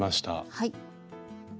はい。